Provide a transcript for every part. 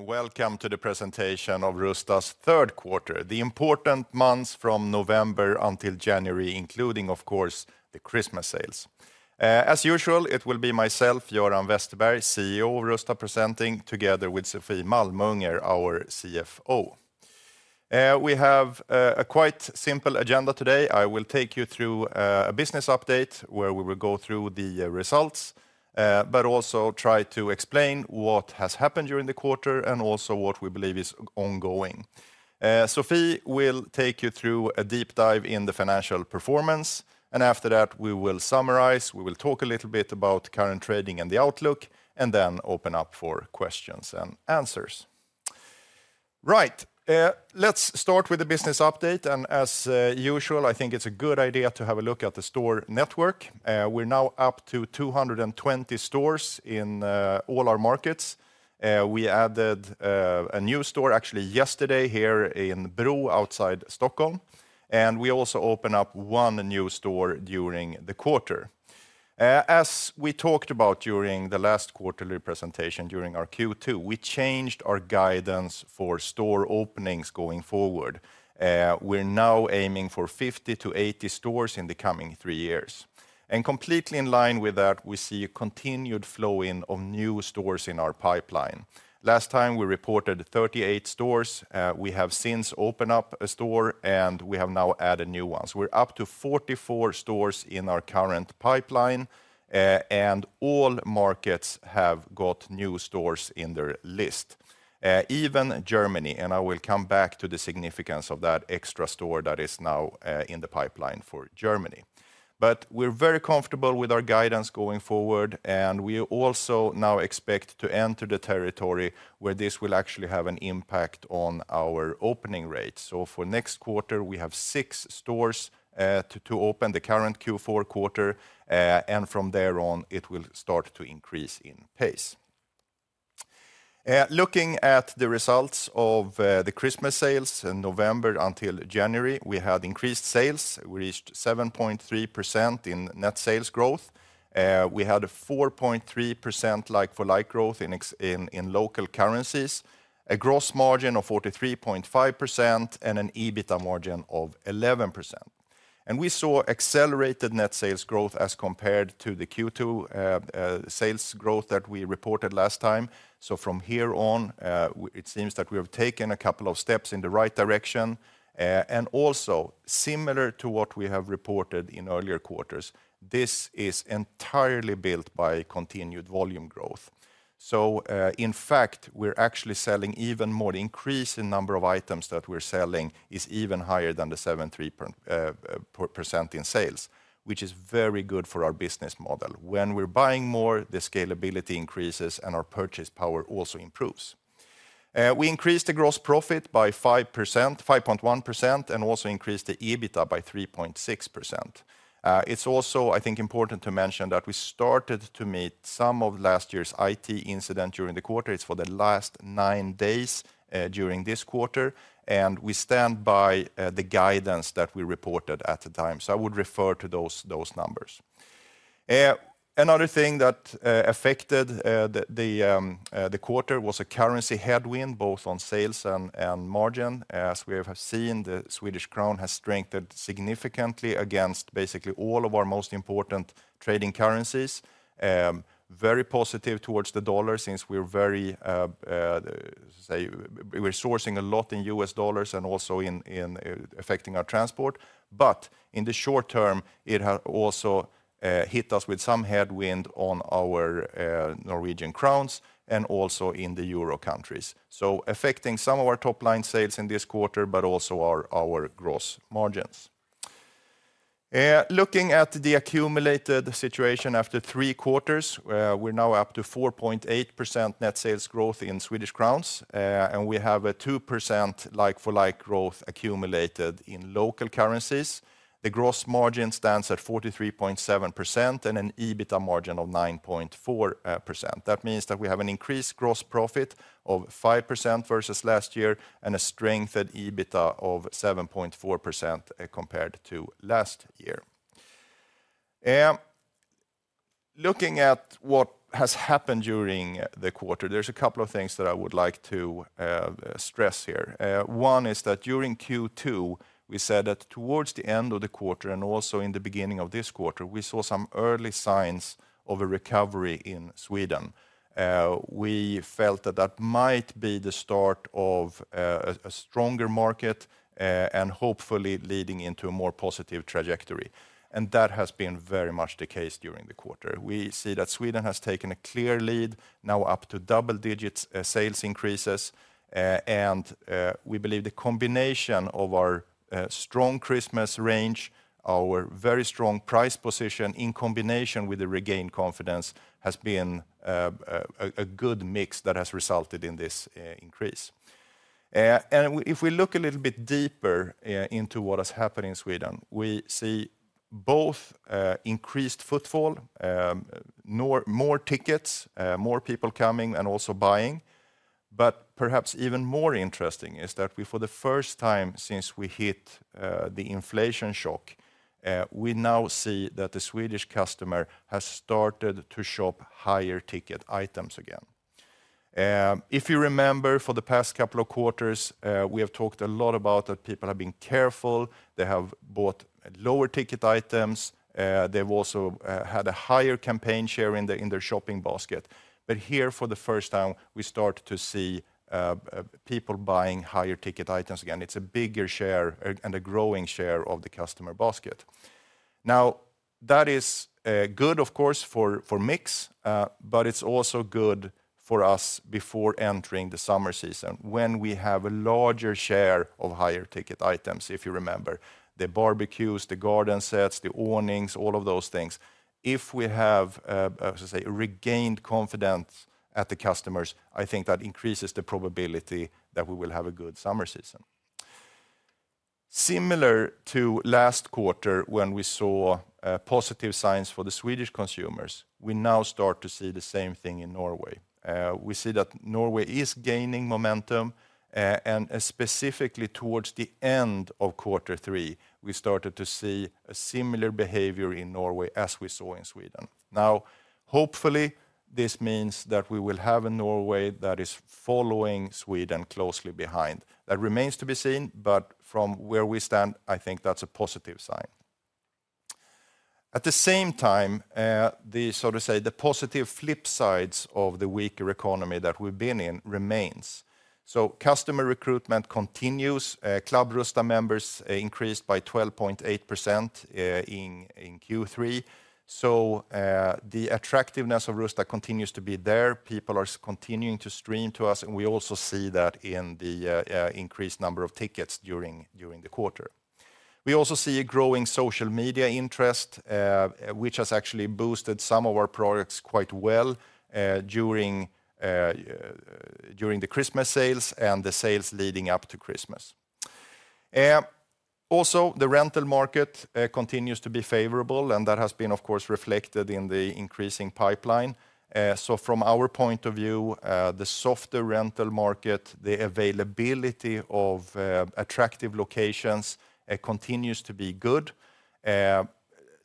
Welcome to the presentation of Rusta's third quarter, the important months from November until January, including, of course, the Christmas sales. As usual, it will be myself, Göran Westerberg, CEO of Rusta, presenting together with Sofie Malmunger, our CFO. We have a quite simple agenda today. I will take you through a business update where we will go through the results, but also try to explain what has happened during the quarter and also what we believe is ongoing. Sofie will take you through a deep dive in the financial performance, and after that, we will summarize. We will talk a little bit about current trading and the outlook, and then open up for questions and answers. Right, let's start with the business update. As usual, I think it's a good idea to have a look at the store network. We're now up to 220 stores in all our markets. We added a new store, actually, yesterday here in Bro outside Stockholm. We also opened up one new store during the quarter. As we talked about during the last quarterly presentation, during our Q2, we changed our guidance for store openings going forward. We're now aiming for 50-80 stores in the coming three years. Completely in line with that, we see a continued flow-in of new stores in our pipeline. Last time, we reported 38 stores. We have since opened up a store, and we have now added new ones. We're up to 44 stores in our current pipeline, and all markets have got new stores in their list, even Germany. I will come back to the significance of that extra store that is now in the pipeline for Germany. We are very comfortable with our guidance going forward, and we also now expect to enter the territory where this will actually have an impact on our opening rates. For next quarter, we have six stores to open in the current Q4 quarter, and from there on, it will start to increase in pace. Looking at the results of the Christmas sales, November until January, we had increased sales. We reached 7.3% in net sales growth. We had a 4.3% like-for-like growth in local currencies, a gross margin of 43.5%, and an EBITDA margin of 11%. We saw accelerated net sales growth as compared to the Q2 sales growth that we reported last time. From here on, it seems that we have taken a couple of steps in the right direction. Also, similar to what we have reported in earlier quarters, this is entirely built by continued volume growth. In fact, we're actually selling even more. The increase in the number of items that we're selling is even higher than the 73% in sales, which is very good for our business model. When we're buying more, the scalability increases, and our purchase power also improves. We increased the gross profit by 5.1% and also increased the EBITDA by 3.6%. I think it's important to mention that we started to meet some of last year's IT incidents during the quarter. It's for the last nine days during this quarter, and we stand by the guidance that we reported at the time. I would refer to those numbers. Another thing that affected the quarter was a currency headwind, both on sales and margin. As we have seen, the Swedish krona has strengthened significantly against basically all of our most important trading currencies. Very positive towards the dollar since we're very, say, we're sourcing a lot in US dollars and also affecting our transport. In the short term, it has also hit us with some headwind on our Norwegian kroner and also in the Euro countries. Affecting some of our top-line sales in this quarter, but also our gross margins. Looking at the accumulated situation after three quarters, we're now up to 4.8% net sales growth in SEK, and we have a 2% like-for-like growth accumulated in local currencies. The gross margin stands at 43.7% and an EBITDA margin of 9.4%. That means that we have an increased gross profit of 5% versus last year and a strengthened EBITDA of 7.4% compared to last year. Looking at what has happened during the quarter, there's a couple of things that I would like to stress here. One is that during Q2, we said that towards the end of the quarter and also in the beginning of this quarter, we saw some early signs of a recovery in Sweden. We felt that that might be the start of a stronger market and hopefully leading into a more positive trajectory. That has been very much the case during the quarter. We see that Sweden has taken a clear lead, now up to double-digit sales increases. We believe the combination of our strong Christmas range, our very strong price position in combination with the regained confidence has been a good mix that has resulted in this increase. If we look a little bit deeper into what has happened in Sweden, we see both increased footfall, more tickets, more people coming and also buying. Perhaps even more interesting is that for the first time since we hit the inflation shock, we now see that the Swedish customer has started to shop higher ticket items again. If you remember, for the past couple of quarters, we have talked a lot about that people have been careful. They have bought lower ticket items. They have also had a higher campaign share in their shopping basket. Here, for the first time, we start to see people buying higher ticket items again. It is a bigger share and a growing share of the customer basket. Now, that is good, of course, for mix, but it's also good for us before entering the summer season when we have a larger share of higher ticket items. If you remember, the barbecues, the garden sets, the awnings, all of those things. If we have, as I say, regained confidence at the customers, I think that increases the probability that we will have a good summer season. Similar to last quarter when we saw positive signs for the Swedish consumers, we now start to see the same thing in Norway. We see that Norway is gaining momentum. Specifically towards the end of quarter three, we started to see a similar behavior in Norway as we saw in Sweden. Now, hopefully, this means that we will have a Norway that is following Sweden closely behind. That remains to be seen, but from where we stand, I think that's a positive sign. At the same time, the, so to say, the positive flip sides of the weaker economy that we've been in remains. Customer recruitment continues. Club Rusta members increased by 12.8% in Q3. The attractiveness of Rusta continues to be there. People are continuing to stream to us, and we also see that in the increased number of tickets during the quarter. We also see a growing social media interest, which has actually boosted some of our products quite well during the Christmas sales and the sales leading up to Christmas. Also, the rental market continues to be favorable, and that has been, of course, reflected in the increasing pipeline. From our point of view, the softer rental market, the availability of attractive locations continues to be good.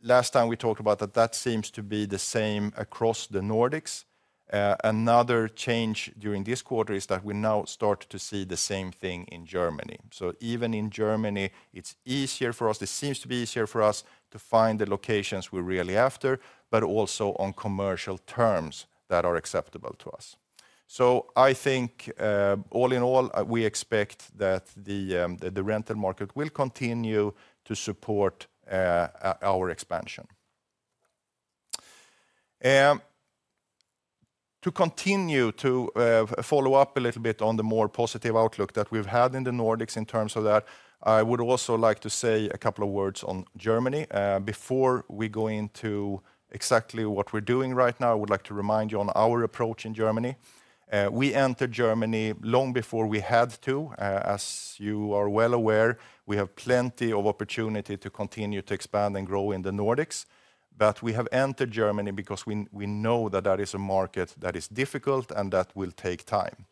Last time we talked about that, that seems to be the same across the Nordics. Another change during this quarter is that we now start to see the same thing in Germany. Even in Germany, it is easier for us. It seems to be easier for us to find the locations we are really after, but also on commercial terms that are acceptable to us. I think all in all, we expect that the rental market will continue to support our expansion. To continue to follow up a little bit on the more positive outlook that we have had in the Nordics in terms of that, I would also like to say a couple of words on Germany. Before we go into exactly what we are doing right now, I would like to remind you on our approach in Germany. We entered Germany long before we had to. As you are well aware, we have plenty of opportunity to continue to expand and grow in the Nordics. We have entered Germany because we know that that is a market that is difficult and that will take time.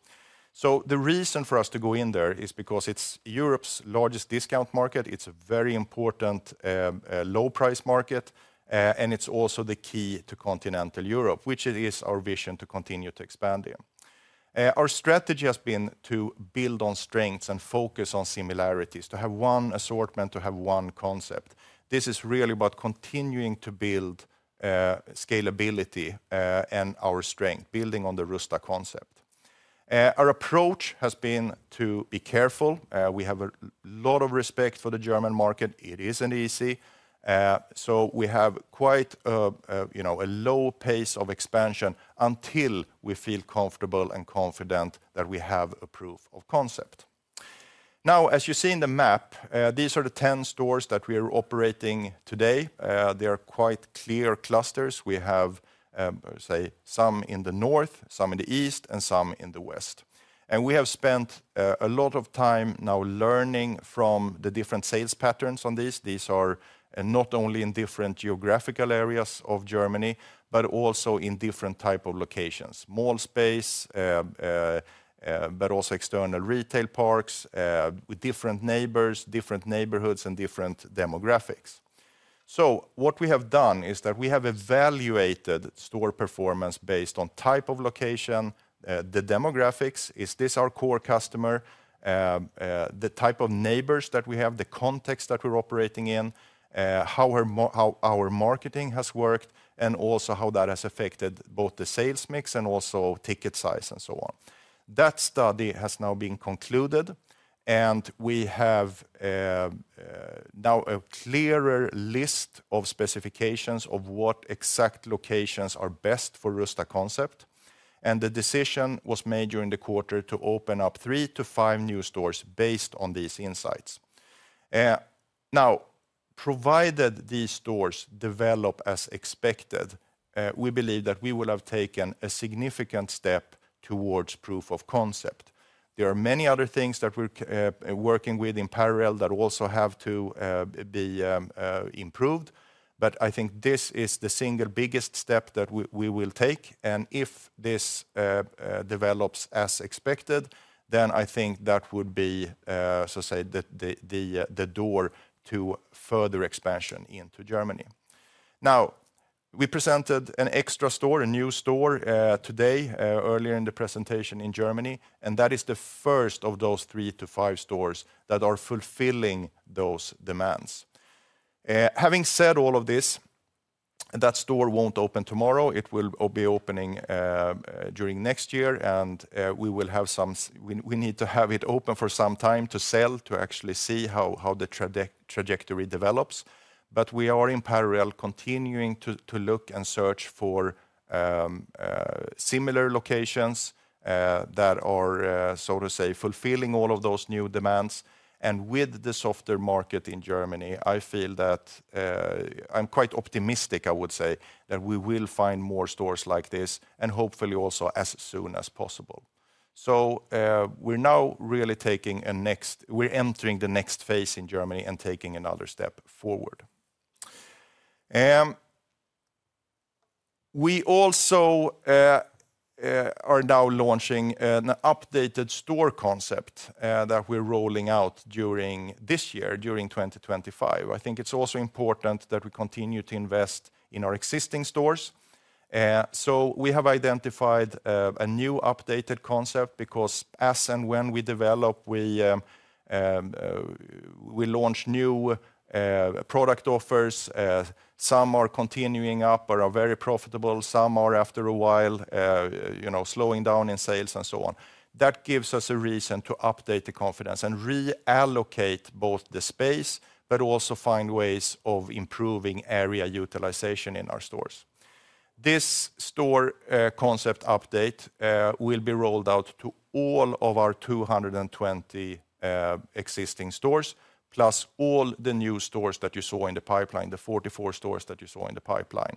The reason for us to go in there is because it is Europe's largest discount market. It is a very important low-price market, and it is also the key to continental Europe, which is our vision to continue to expand in. Our strategy has been to build on strengths and focus on similarities, to have one assortment, to have one concept. This is really about continuing to build scalability and our strength, building on the Rusta concept. Our approach has been to be careful. We have a lot of respect for the German market. It is not easy. We have quite a low pace of expansion until we feel comfortable and confident that we have a proof of concept. Now, as you see in the map, these are the 10 stores that we are operating today. They are quite clear clusters. We have, say, some in the north, some in the east, and some in the west. We have spent a lot of time now learning from the different sales patterns on these. These are not only in different geographical areas of Germany, but also in different types of locations: mall space, but also external retail parks, with different neighbors, different neighborhoods, and different demographics. What we have done is that we have evaluated store performance based on type of location, the demographics, is this our core customer, the type of neighbors that we have, the context that we're operating in, how our marketing has worked, and also how that has affected both the sales mix and also ticket size and so on. That study has now been concluded, and we have now a clearer list of specifications of what exact locations are best for the Rusta concept. The decision was made during the quarter to open up three to five new stores based on these insights. Now, provided these stores develop as expected, we believe that we will have taken a significant step towards proof of concept. There are many other things that we're working with in parallel that also have to be improved, but I think this is the single biggest step that we will take. If this develops as expected, then I think that would be, so to say, the door to further expansion into Germany. Now, we presented an extra store, a new store today, earlier in the presentation in Germany, and that is the first of those 3-5 stores that are fulfilling those demands. Having said all of this, that store won't open tomorrow. It will be opening during next year, and we will have some, we need to have it open for some time to sell, to actually see how the trajectory develops. We are in parallel continuing to look and search for similar locations that are, so to say, fulfilling all of those new demands. With the softer market in Germany, I feel that I'm quite optimistic, I would say, that we will find more stores like this and hopefully also as soon as possible. We are now really entering the next phase in Germany and taking another step forward. We also are now launching an updated store concept that we're rolling out during this year, during 2025. I think it's also important that we continue to invest in our existing stores. We have identified a new updated concept because as and when we develop, we launch new product offers. Some are continuing up, but are very profitable. Some are, after a while, slowing down in sales and so on. That gives us a reason to update the confidence and reallocate both the space, but also find ways of improving area utilization in our stores. This store concept update will be rolled out to all of our 220 existing stores, plus all the new stores that you saw in the pipeline, the 44 stores that you saw in the pipeline.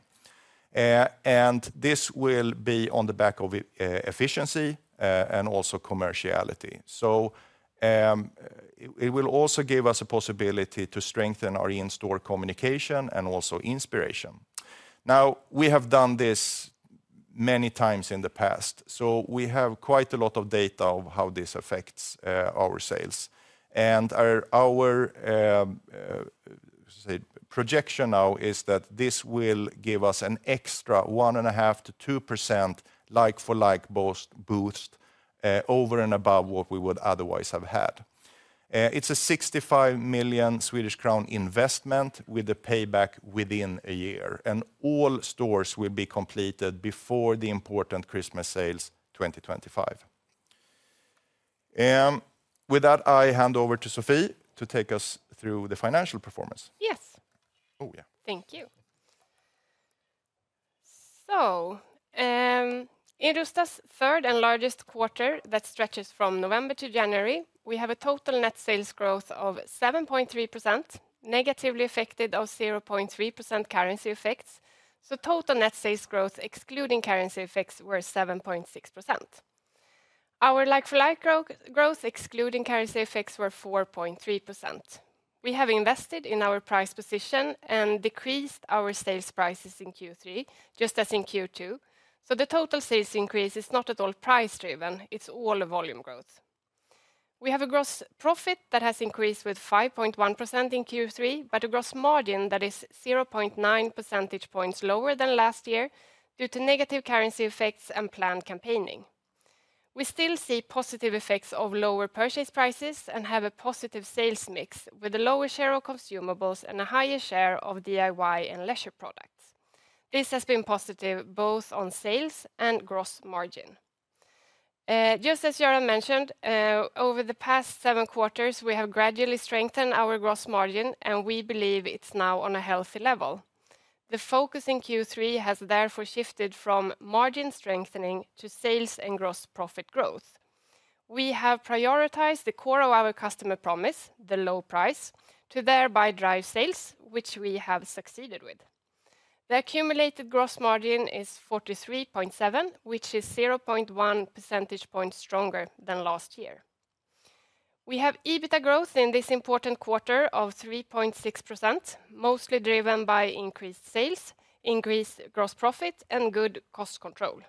This will be on the back of efficiency and also commerciality. It will also give us a possibility to strengthen our in-store communication and also inspiration. Now, we have done this many times in the past, so we have quite a lot of data of how this affects our sales. Our projection now is that this will give us an extra 1.5%-2% like-for-like boost over and above what we would otherwise have had. It is a 65 million Swedish crown investment with a payback within a year, and all stores will be completed before the important Christmas sales 2025. With that, I hand over to Sofie to take us through the financial performance. Yes. Oh, yeah. Thank you. In Rusta's third and largest quarter that stretches from November to January, we have a total net sales growth of 7.3%, negatively affected of 0.3% currency effects. Total net sales growth excluding currency effects were 7.6%. Our like-for-like growth excluding currency effects were 4.3%. We have invested in our price position and decreased our sales prices in Q3, just as in Q2. The total sales increase is not at all price-driven. It is all a volume growth. We have a gross profit that has increased with 5.1% in Q3, but a gross margin that is 0.9 percentage points lower than last year due to negative currency effects and planned campaigning. We still see positive effects of lower purchase prices and have a positive sales mix with a lower share of consumables and a higher share of DIY and leisure products. This has been positive both on sales and gross margin. Just as Göran mentioned, over the past seven quarters, we have gradually strengthened our gross margin, and we believe it's now on a healthy level. The focus in Q3 has therefore shifted from margin strengthening to sales and gross profit growth. We have prioritized the core of our customer promise, the low price, to thereby drive sales, which we have succeeded with. The accumulated gross margin is 43.7%, which is 0.1 percentage points stronger than last year. We have EBITDA growth in this important quarter of 3.6%, mostly driven by increased sales, increased gross profit, and good cost control.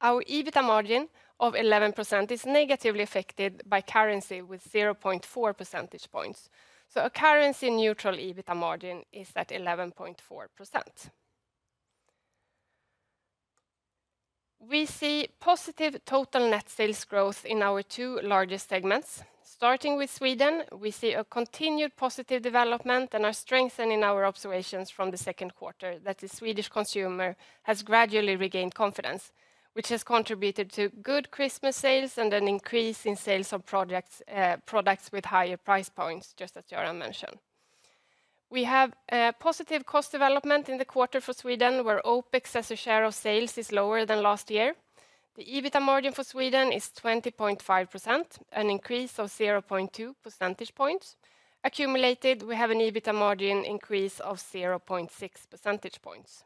Our EBITDA margin of 11% is negatively affected by currency with 0.4 percentage points. A currency-neutral EBITDA margin is at 11.4%. We see positive total net sales growth in our two largest segments. Starting with Sweden, we see a continued positive development and are strengthening our observations from the second quarter that the Swedish consumer has gradually regained confidence, which has contributed to good Christmas sales and an increase in sales of products with higher price points, just as Göran mentioned. We have positive cost development in the quarter for Sweden, where OPEX as a share of sales is lower than last year. The EBITDA margin for Sweden is 20.5%, an increase of 0.2 percentage points. Accumulated, we have an EBITDA margin increase of 0.6 percentage points.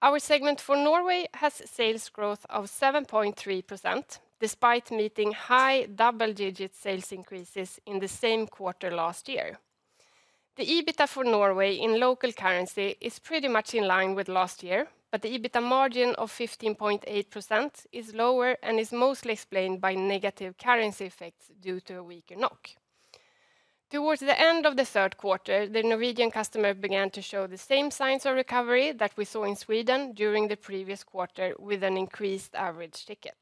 Our segment for Norway has sales growth of 7.3%, despite meeting high double-digit sales increases in the same quarter last year. The EBITDA for Norway in local currency is pretty much in line with last year, but the EBITDA margin of 15.8% is lower and is mostly explained by negative currency effects due to a weaker Norwegian krone. Towards the end of the third quarter, the Norwegian customer began to show the same signs of recovery that we saw in Sweden during the previous quarter with an increased average ticket.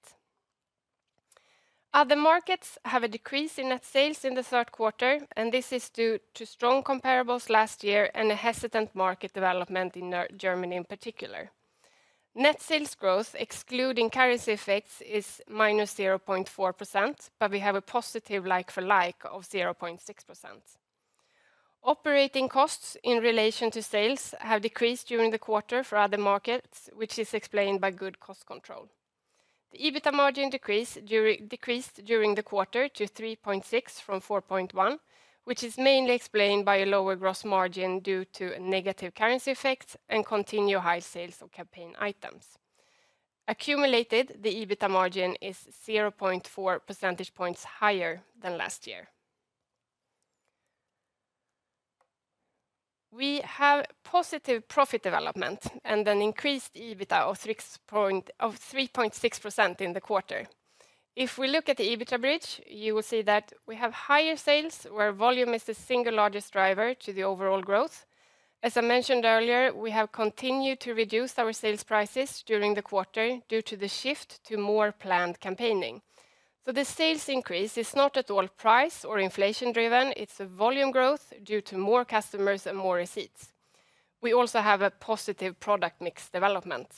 Other markets have a decrease in net sales in the third quarter, and this is due to strong comparables last year and a hesitant market development in Germany in particular. Net sales growth, excluding currency effects, is -0.4%, but we have a positive like-for-like of 0.6%. Operating costs in relation to sales have decreased during the quarter for other markets, which is explained by good cost control. The EBITDA margin decreased during the quarter to 3.6% from 4.1%, which is mainly explained by a lower gross margin due to negative currency effects and continued high sales of campaign items. Accumulated, the EBITDA margin is 0.4 percentage points higher than last year. We have positive profit development and an increased EBITDA of 3.6% in the quarter. If we look at the EBITDA bridge, you will see that we have higher sales, where volume is the single largest driver to the overall growth. As I mentioned earlier, we have continued to reduce our sales prices during the quarter due to the shift to more planned campaigning. The sales increase is not at all price or inflation-driven. It is a volume growth due to more customers and more receipts. We also have a positive product mix development.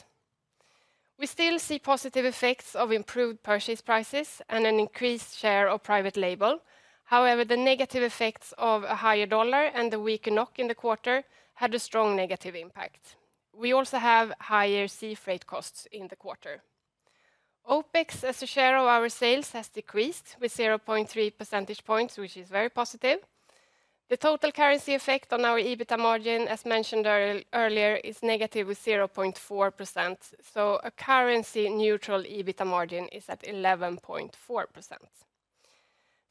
We still see positive effects of improved purchase prices and an increased share of private label. However, the negative effects of a higher dollar and the weaker krona in the quarter had a strong negative impact. We also have higher sea freight costs in the quarter. OPEX, as a share of our sales, has decreased by 0.3 percentage points, which is very positive. The total currency effect on our EBITDA margin, as mentioned earlier, is -0.4%. A currency-neutral EBITDA margin is at 11.4%.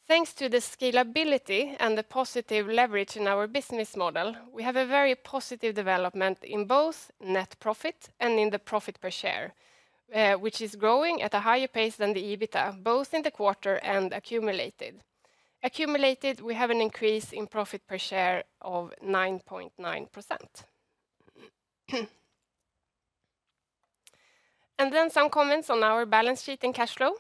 Thanks to the scalability and the positive leverage in our business model, we have a very positive development in both net profit and in the profit per share, which is growing at a higher pace than the EBITDA, both in the quarter and accumulated. Accumulated, we have an increase in profit per share of 9.9%. Some comments on our balance sheet and cash flow.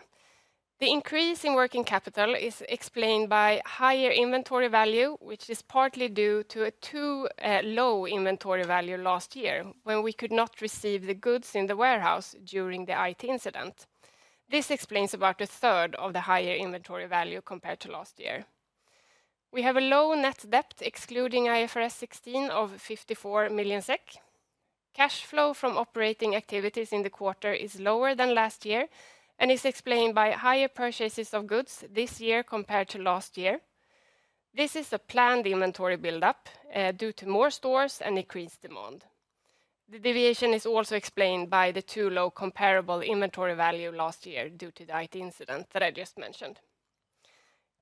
The increase in working capital is explained by higher inventory value, which is partly due to a too low inventory value last year when we could not receive the goods in the warehouse during the IT incident. This explains about a third of the higher inventory value compared to last year. We have a low net debt, excluding IFRS 16, of 54 million SEK. Cash flow from operating activities in the quarter is lower than last year and is explained by higher purchases of goods this year compared to last year. This is a planned inventory build-up due to more stores and increased demand. The deviation is also explained by the too low comparable inventory value last year due to the IT incident that I just mentioned.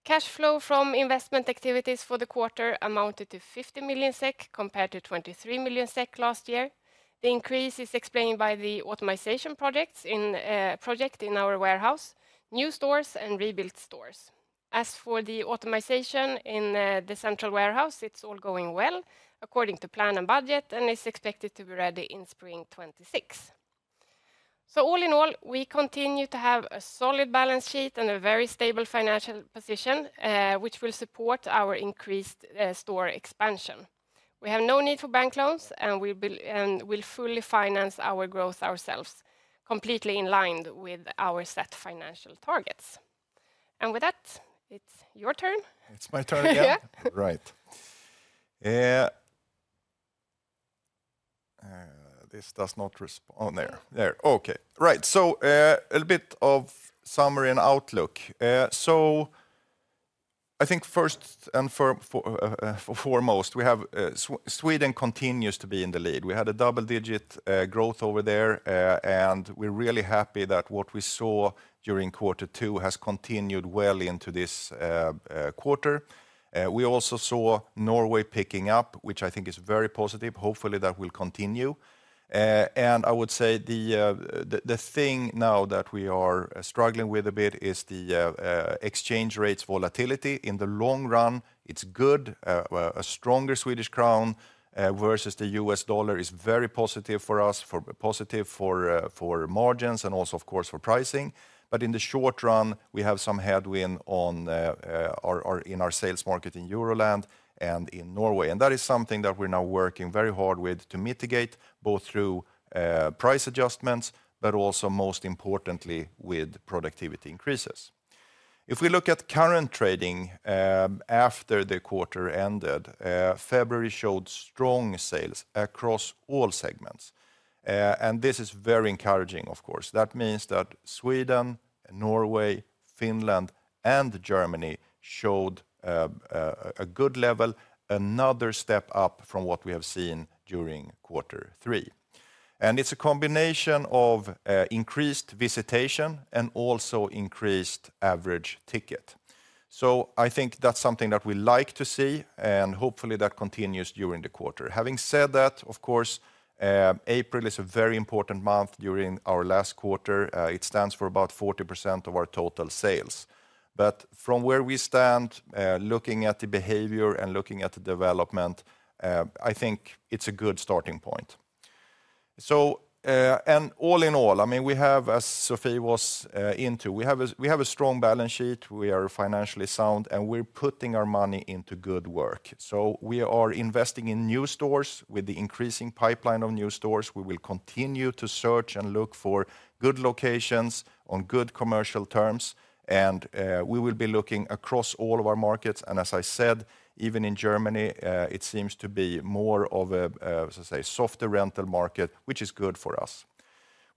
Cash flow from investment activities for the quarter amounted to 50 million SEK compared to 23 million SEK last year. The increase is explained by the optimization projects in our warehouse, new stores, and rebuilt stores. As for the optimization in the central warehouse, it's all going well according to plan and budget and is expected to be ready in spring 2026. All in all, we continue to have a solid balance sheet and a very stable financial position, which will support our increased store expansion. We have no need for bank loans and we'll fully finance our growth ourselves, completely in line with our set financial targets. With that, it's your turn. It's my turn, yeah. Right. This does not respond. There. There. Okay. Right. A little bit of summary and outlook. I think first and foremost, we have Sweden continues to be in the lead. We had a double-digit growth over there, and we're really happy that what we saw during quarter two has continued well into this quarter. We also saw Norway picking up, which I think is very positive. Hopefully, that will continue. I would say the thing now that we are struggling with a bit is the exchange rates volatility. In the long run, it's good. A stronger Swedish krona versus the US dollar is very positive for us, positive for margins and also, of course, for pricing. In the short run, we have some headwind in our sales market in Euroland and in Norway. That is something that we're now working very hard with to mitigate both through price adjustments, but also, most importantly, with productivity increases. If we look at current trading after the quarter ended, February showed strong sales across all segments. This is very encouraging, of course. That means that Sweden, Norway, Finland, and Germany showed a good level, another step up from what we have seen during quarter three. It is a combination of increased visitation and also increased average ticket. I think that is something that we like to see, and hopefully that continues during the quarter. Having said that, April is a very important month during our last quarter. It stands for about 40% of our total sales. From where we stand, looking at the behavior and looking at the development, I think it is a good starting point. All in all, I mean, we have, as Sofie was into, we have a strong balance sheet. We are financially sound, and we're putting our money into good work. We are investing in new stores. With the increasing pipeline of new stores, we will continue to search and look for good locations on good commercial terms, and we will be looking across all of our markets. As I said, even in Germany, it seems to be more of a, as I say, softer rental market, which is good for us.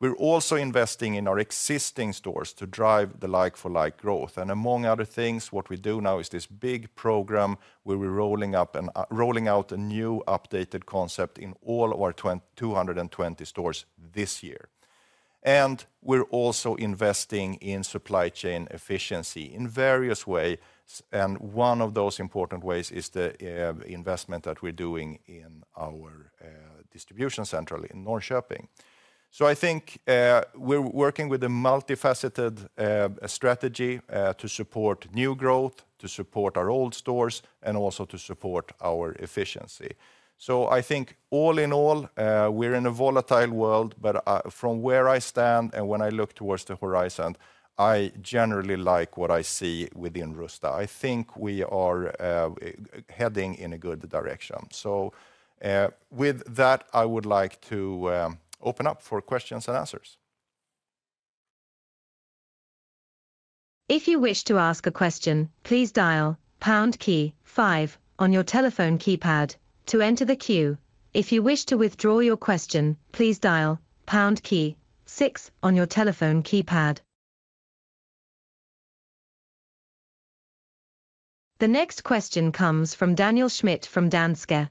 We're also investing in our existing stores to drive the like-for-like growth. Among other things, what we do now is this big program where we're rolling out a new updated concept in all of our 220 stores this year. We're also investing in supply chain efficiency in various ways. One of those important ways is the investment that we're doing in our distribution center in Norrköping. I think we're working with a multifaceted strategy to support new growth, to support our old stores, and also to support our efficiency. I think all in all, we're in a volatile world, but from where I stand and when I look towards the horizon, I generally like what I see within Rusta. I think we are heading in a good direction. With that, I would like to open up for questions and answers. If you wish to ask a question, please dial pound key five on your telephone keypad to enter the queue. If you wish to withdraw your question, please dial pound key six on your telephone keypad. The next question comes from Daniel Schmidt from Danske.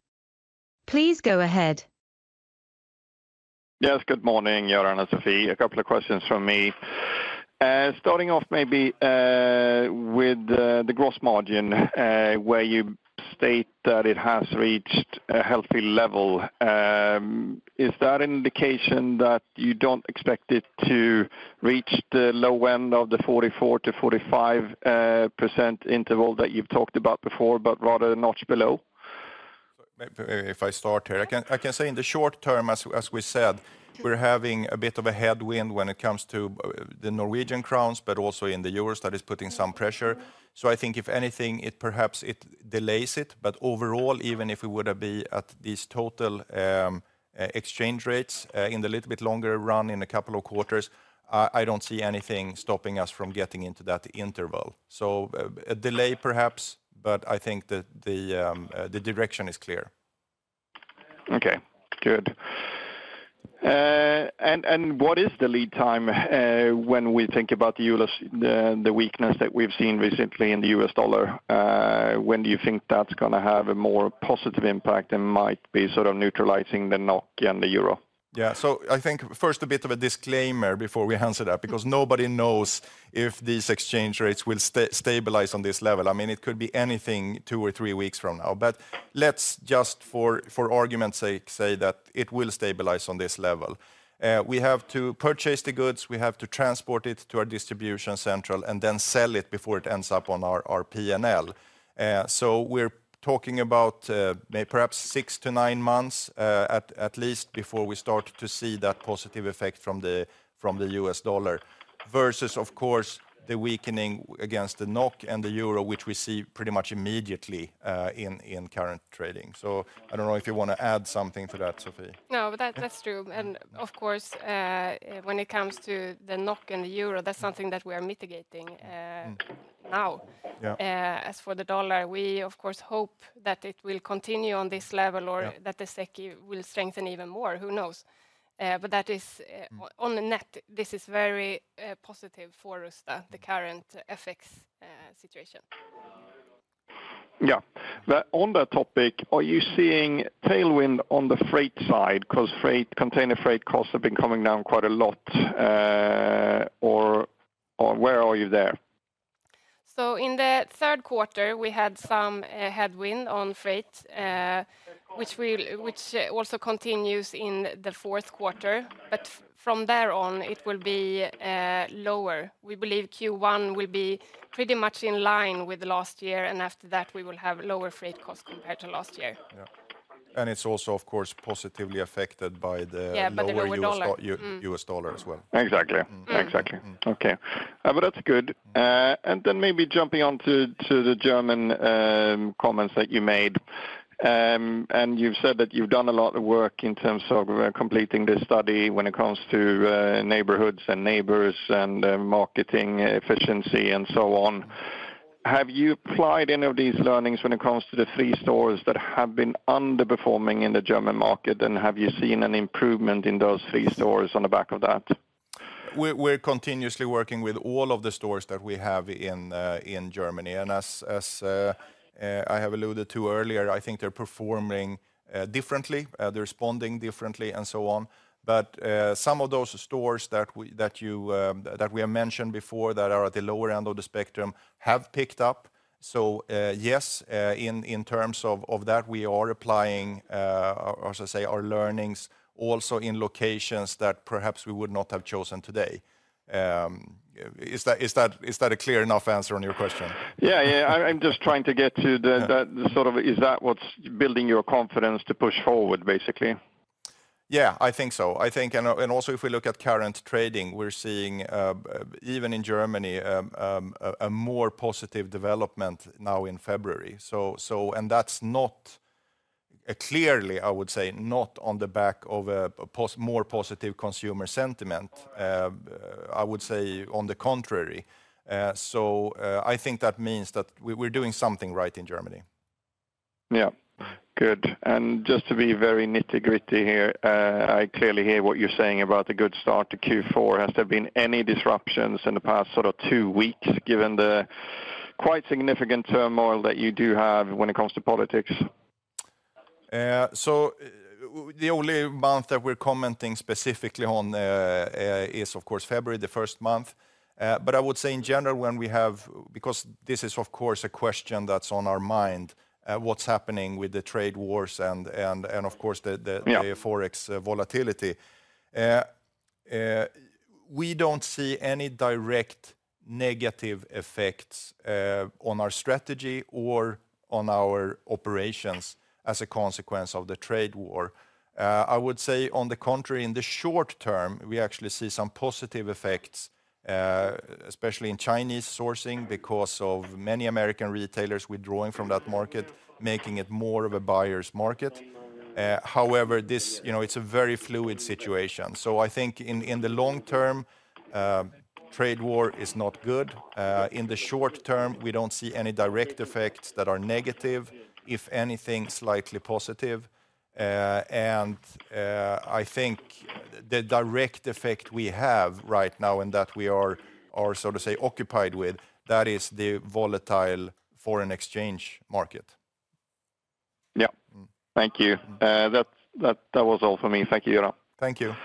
Please go ahead. Yes, good morning, Göran and Sofie. A couple of questions from me. Starting off maybe with the gross margin, where you state that it has reached a healthy level. Is that an indication that you do not expect it to reach the low end of the 44%-45% interval that you have talked about before, but rather notch below? Maybe if I start here. I can say in the short term, as we said, we are having a bit of a headwind when it comes to the Norwegian krone, but also in the euros that is putting some pressure. I think if anything, it perhaps delays it. Overall, even if we were to be at these total exchange rates in the little bit longer run in a couple of quarters, I do not see anything stopping us from getting into that interval. A delay perhaps, but I think the direction is clear. Okay, good. What is the lead time when we think about the weakness that we've seen recently in the US dollar? When do you think that's going to have a more positive impact and might be sort of neutralizing the NOK and the Euro? Yeah, I think first a bit of a disclaimer before we answer that, because nobody knows if these exchange rates will stabilize on this level. I mean, it could be anything two or three weeks from now, but let's just for argument's sake say that it will stabilize on this level. We have to purchase the goods, we have to transport it to our distribution center, and then sell it before it ends up on our P&L. We're talking about maybe perhaps six to nine months at least before we start to see that positive effect from the US dollar versus, of course, the weakening against the NOK and the Euro, which we see pretty much immediately in current trading. I don't know if you want to add something to that, Sofie. No, that's true. Of course, when it comes to the NOK and the Euro, that's something that we are mitigating now. As for the dollar, we of course hope that it will continue on this level or that the SEK will strengthen even more. Who knows? That is, on the net, this is very positive for us, the current FX situation. Yeah. On that topic, are you seeing tailwind on the freight side? Because freight, container freight costs have been coming down quite a lot. Where are you there? In the third quarter, we had some headwind on freight, which also continues in the fourth quarter. From there on, it will be lower. We believe Q1 will be pretty much in line with last year, and after that, we will have lower freight costs compared to last year. It is also, of course, positively affected by the lower US dollar as well. Exactly. Exactly. Okay. That's good. Maybe jumping on to the German comments that you made. You said that you've done a lot of work in terms of completing this study when it comes to neighborhoods and neighbors and marketing efficiency and so on. Have you applied any of these learnings when it comes to the three stores that have been underperforming in the German market? Have you seen an improvement in those three stores on the back of that? We're continuously working with all of the stores that we have in Germany. As I have alluded to earlier, I think they're performing differently, they're responding differently and so on. Some of those stores that we have mentioned before that are at the lower end of the spectrum have picked up. Yes, in terms of that, we are applying, as I say, our learnings also in locations that perhaps we would not have chosen today. Is that a clear enough answer on your question? Yeah, yeah. I'm just trying to get to the sort of, is that what's building your confidence to push forward, basically? Yeah, I think so. I think, and also if we look at current trading, we're seeing even in Germany a more positive development now in February. That is not clearly, I would say, not on the back of a more positive consumer sentiment. I would say on the contrary. I think that means that we are doing something right in Germany. Yeah. Good. Just to be very nitty-gritty here, I clearly hear what you are saying about a good start to Q4. Has there been any disruptions in the past sort of two weeks, given the quite significant turmoil that you do have when it comes to politics? The only month that we are commenting specifically on is, of course, February, the first month. I would say in general, when we have, because this is, of course, a question that's on our mind, what's happening with the trade wars and, of course, the forex volatility, we don't see any direct negative effects on our strategy or on our operations as a consequence of the trade war. I would say, on the contrary, in the short term, we actually see some positive effects, especially in Chinese sourcing because of many American retailers withdrawing from that market, making it more of a buyer's market. However, it's a very fluid situation. I think in the long term, trade war is not good. In the short term, we don't see any direct effects that are negative. If anything, slightly positive. I think the direct effect we have right now and that we are sort of occupied with, that is the volatile foreign exchange market. Yeah. Thank you. That was all for me. Thank you, Göran. Thank you.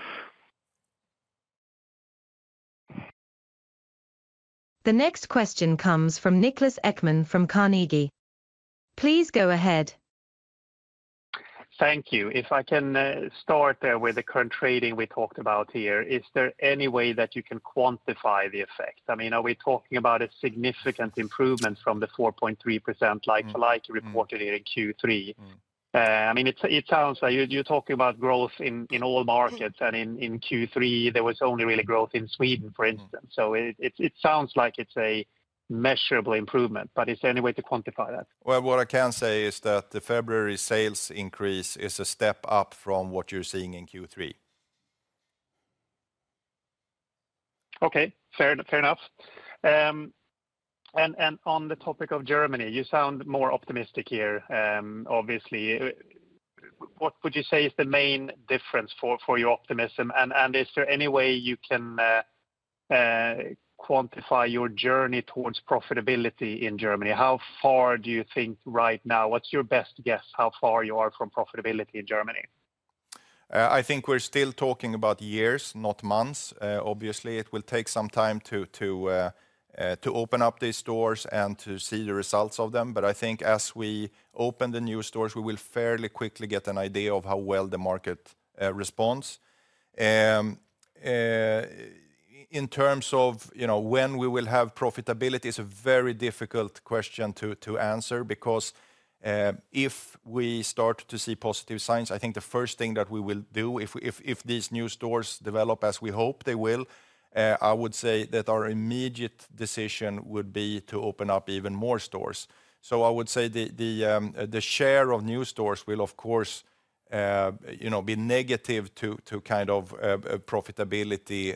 The next question comes from Niklas Ekman from Carnegie. Please go ahead. Thank you. If I can start there with the current trading we talked about here, is there any way that you can quantify the effect? I mean, are we talking about a significant improvement from the 4.3% like-for-like reported here in Q3? I mean, it sounds like you're talking about growth in all markets, and in Q3, there was only really growth in Sweden, for instance. It sounds like it's a measurable improvement, but is there any way to quantify that? What I can say is that the February sales increase is a step up from what you're seeing in Q3. Okay. Fair enough. On the topic of Germany, you sound more optimistic here, obviously. What would you say is the main difference for your optimism? Is there any way you can quantify your journey towards profitability in Germany? How far do you think right now? What's your best guess how far you are from profitability in Germany? I think we're still talking about years, not months. Obviously, it will take some time to open up these stores and to see the results of them. I think as we open the new stores, we will fairly quickly get an idea of how well the market responds. In terms of when we will have profitability, it's a very difficult question to answer because if we start to see positive signs, I think the first thing that we will do if these new stores develop, as we hope they will, I would say that our immediate decision would be to open up even more stores. I would say the share of new stores will, of course, be negative to kind of profitability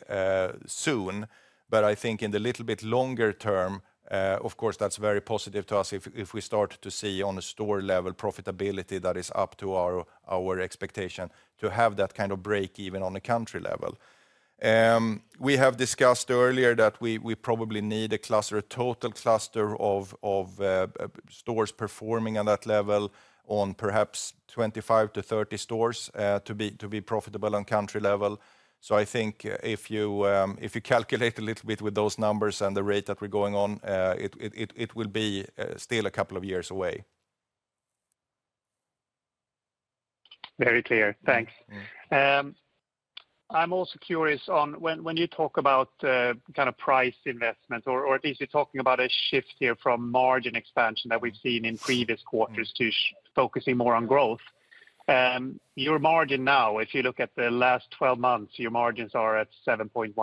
soon. I think in the little bit longer term, of course, that's very positive to us if we start to see on a store level profitability that is up to our expectation to have that kind of break even on a country level. We have discussed earlier that we probably need a total cluster of stores performing on that level on perhaps 25-30 stores to be profitable on country level. I think if you calculate a little bit with those numbers and the rate that we're going on, it will be still a couple of years away. Very clear. Thanks. I'm also curious on when you talk about kind of price investment, or at least you're talking about a shift here from margin expansion that we've seen in previous quarters to focusing more on growth. Your margin now, if you look at the last 12 months, your margins are at 7.1%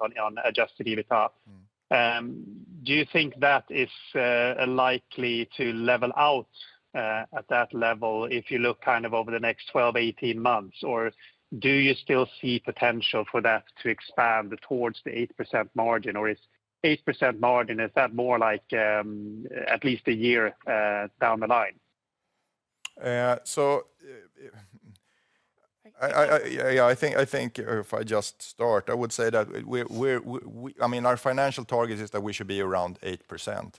on adjusted EBITDA. Do you think that is likely to level out at that level if you look kind of over the next 12-18 months? Or do you still see potential for that to expand towards the 8% margin? Or is 8% margin, is that more like at least a year down the line? I think if I just start, I would say that, I mean, our financial target is that we should be around 8%.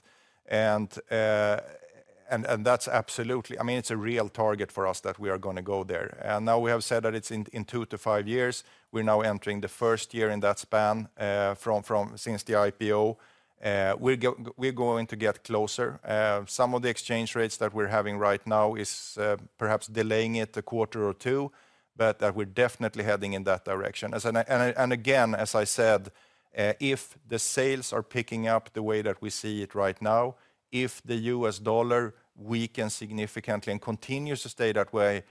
And that's absolutely, I mean, it's a real target for us that we are going to go there. We have said that it is in 2-5 years. We are now entering the first year in that span since the IPO. We are going to get closer. Some of the exchange rates that we are having right now are perhaps delaying it a quarter or two, but we are definitely heading in that direction. Again, as I said, if the sales are picking up the way that we see it right now, if the US dollar weakens significantly and continues to stay that way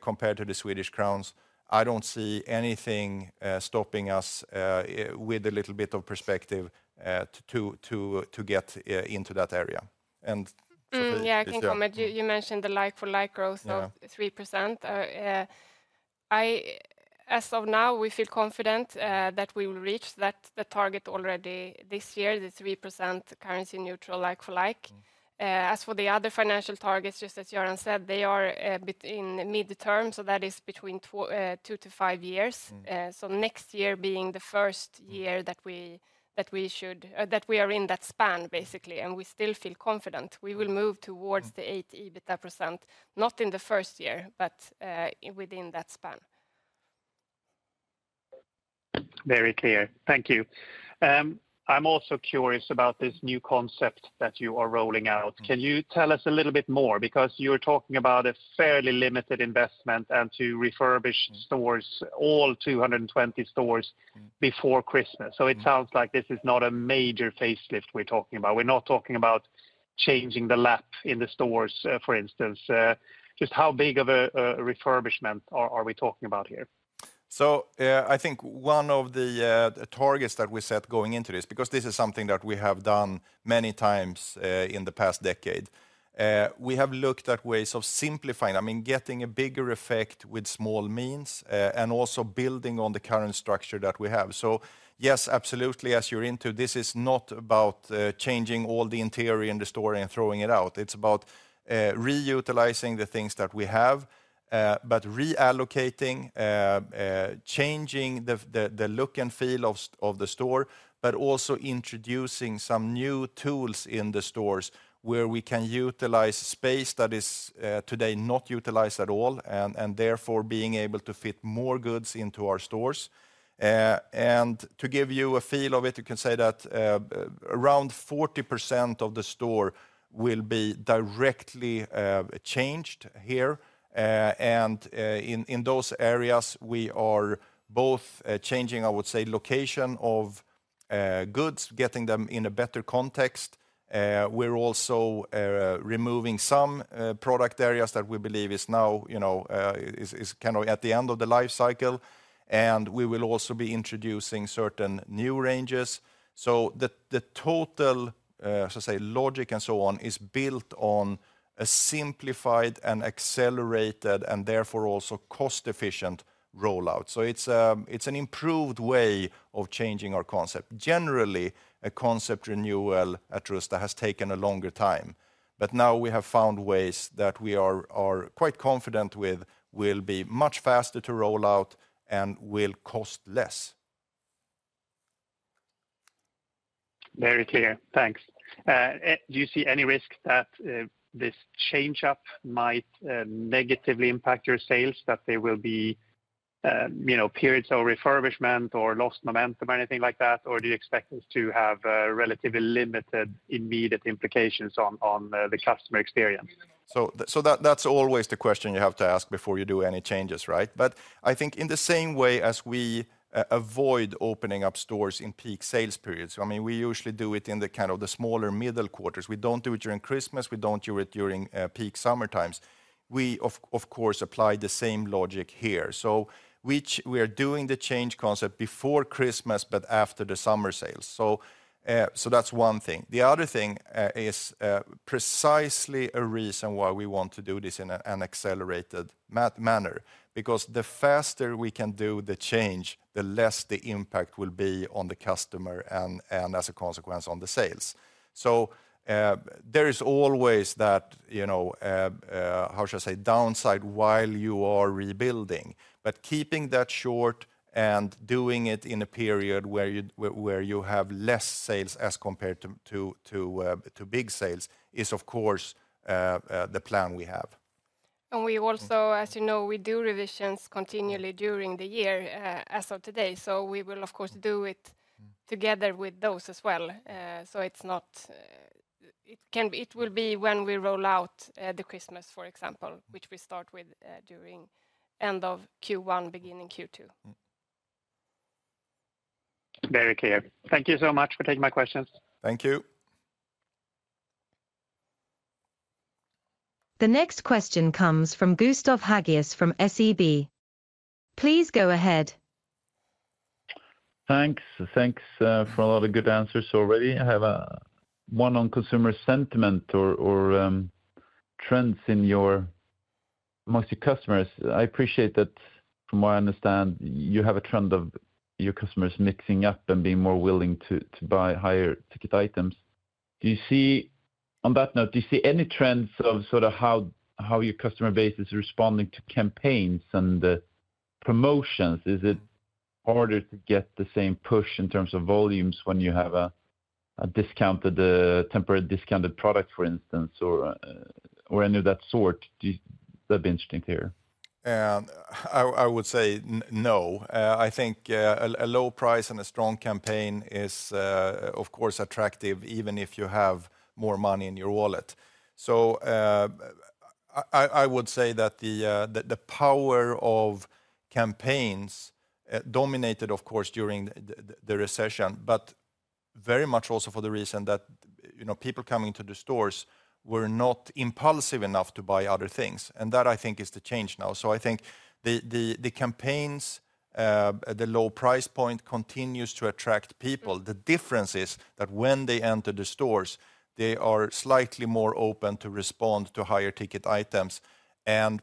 compared to the Swedish krona, I do not see anything stopping us with a little bit of perspective to get into that area. Yeah, I can comment. You mentioned the like-for-like growth of 3%. As of now, we feel confident that we will reach that target already this year, the 3% currency neutral like-for-like. As for the other financial targets, just as Göran said, they are in midterm, so that is between 2-5 years. Next year being the first year that we should, that we are in that span, basically, and we still feel confident we will move towards the 8% EBITDA, not in the first year, but within that span. Very clear. Thank you. I'm also curious about this new concept that you are rolling out. Can you tell us a little bit more? Because you're talking about a fairly limited investment and to refurbish stores, all 220 stores before Christmas. It sounds like this is not a major facelift we're talking about. We're not talking about changing the lap in the stores, for instance. Just how big of a refurbishment are we talking about here? I think one of the targets that we set going into this, because this is something that we have done many times in the past decade, we have looked at ways of simplifying, I mean, getting a bigger effect with small means and also building on the current structure that we have. Yes, absolutely, as you're into, this is not about changing all the interior in the store and throwing it out. It's about reutilizing the things that we have, but reallocating, changing the look and feel of the store, but also introducing some new tools in the stores where we can utilize space that is today not utilized at all and therefore being able to fit more goods into our stores. To give you a feel of it, you can say that around 40% of the store will be directly changed here. In those areas, we are both changing, I would say, location of goods, getting them in a better context. We are also removing some product areas that we believe are now kind of at the end of the life cycle. We will also be introducing certain new ranges. The total, as I say, logic and so on is built on a simplified and accelerated and therefore also cost-efficient rollout. It is an improved way of changing our concept. Generally, a concept renewal at Rusta has taken a longer time. Now we have found ways that we are quite confident will be much faster to rollout and will cost less. Very clear. Thanks. Do you see any risk that this change-up might negatively impact your sales, that there will be periods of refurbishment or lost momentum or anything like that? Do you expect this to have relatively limited immediate implications on the customer experience? That's always the question you have to ask before you do any changes, right? I think in the same way as we avoid opening up stores in peak sales periods, I mean, we usually do it in the kind of the smaller, middle quarters. We do not do it during Christmas. We do not do it during peak summertimes. We, of course, apply the same logic here. We are doing the change concept before Christmas, but after the summer sales. That's one thing. The other thing is precisely a reason why we want to do this in an accelerated manner, because the faster we can do the change, the less the impact will be on the customer and as a consequence on the sales. There is always that, how should I say, downside while you are rebuilding. Keeping that short and doing it in a period where you have less sales as compared to big sales is, of course, the plan we have. We also, as you know, do revisions continually during the year as of today. We will, of course, do it together with those as well. It will be when we roll out the Christmas, for example, which we start with during end of Q1, beginning Q2. Very clear. Thank you so much for taking my questions. Thank you. The next question comes from Gustav Hagéus from SEB. Please go ahead. Thanks. Thanks for a lot of good answers already. I have one on consumer sentiment or trends in your amongst your customers. I appreciate that from what I understand, you have a trend of your customers mixing up and being more willing to buy higher ticket items. On that note, do you see any trends of sort of how your customer base is responding to campaigns and promotions? Is it harder to get the same push in terms of volumes when you have a temporary discounted product, for instance, or any of that sort? That'd be interesting to hear. I would say no. I think a low price and a strong campaign is, of course, attractive even if you have more money in your wallet. I would say that the power of campaigns dominated, of course, during the recession, but very much also for the reason that people coming to the stores were not impulsive enough to buy other things. That, I think, is the change now. I think the campaigns, the low price point continues to attract people. The difference is that when they enter the stores, they are slightly more open to respond to higher ticket items.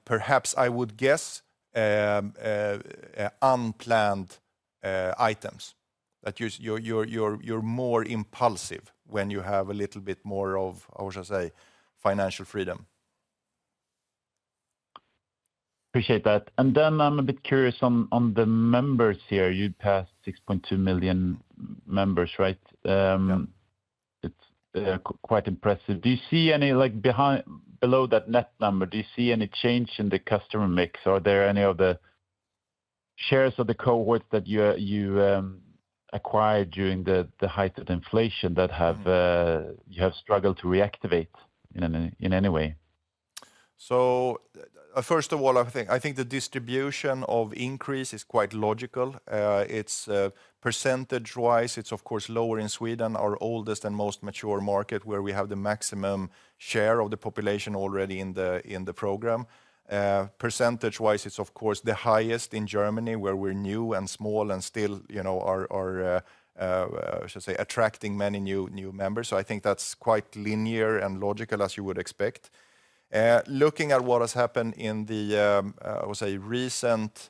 Perhaps I would guess unplanned items that you're more impulsive when you have a little bit more of, how should I say, financial freedom. Appreciate that. I am a bit curious on the members here. You passed 6.2 million members, right? It's quite impressive. Do you see any below that net number, do you see any change in the customer mix? Are there any of the shares of the cohorts that you acquired during the height of inflation that you have struggled to reactivate in any way? First of all, I think the distribution of increase is quite logical. Percentage-wise, it's, of course, lower in Sweden, our oldest and most mature market where we have the maximum share of the population already in the program. Percentage-wise, it's, of course, the highest in Germany where we're new and small and still, how should I say, attracting many new members. I think that's quite linear and logical, as you would expect. Looking at what has happened in the, I would say, recent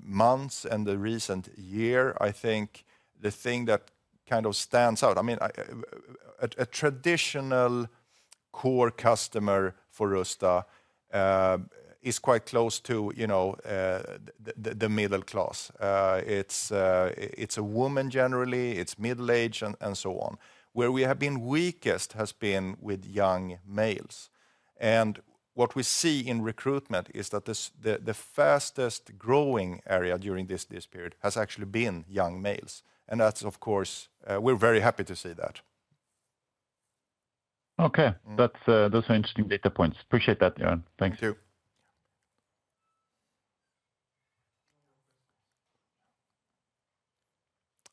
months and the recent year, I think the thing that kind of stands out, I mean, a traditional core customer for Rusta is quite close to the middle class. It's a woman generally, it's middle age and so on. Where we have been weakest has been with young males. What we see in recruitment is that the fastest growing area during this period has actually been young males. That's, of course, we're very happy to see that. Okay. Those are interesting data points. Appreciate that, Göran. Thanks. Thank you.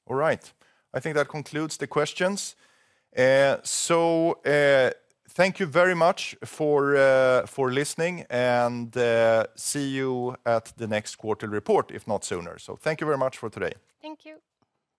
All right. I think that concludes the questions. Thank you very much for listening and see you at the next quarter report, if not sooner. Thank you very much for today. Thank you.